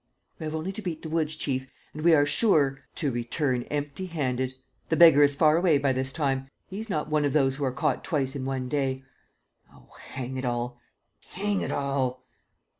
"We have only to beat the woods, chief, and we are sure ..." "To return empty handed. The beggar is far away by this time. He's not one of those who are caught twice in one day. Oh, hang it all, hang it all!"